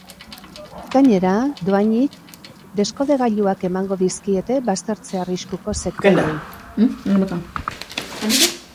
Gainera, dohainik deskodegailuak emango dizkiete baztertze arriskuko sektoreei.